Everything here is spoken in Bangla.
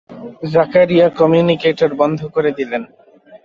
জাকারিয়া কম্যুনিকেটর বন্ধ করে দিলেন।